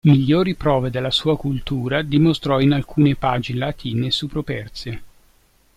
Migliori prove della sua cultura dimostrò in alcune pagine latine su Properzio.